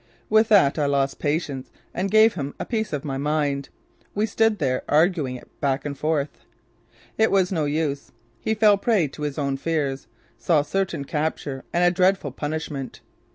With that I lost patience and gave him a piece of my mind. We stood there, arguing it back and forth. It was no use: He fell prey to his own fears; saw certain capture and a dreadful punishment.